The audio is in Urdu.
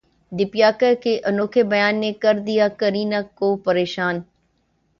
دیپیکا کے انوکھے بیان نے کردیا کرینہ کو پریشان